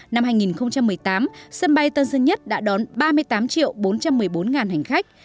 năm hai nghìn một mươi tám sân bay tân sơn nhất đã đón ba mươi tám triệu bốn trăm một mươi bốn hành khách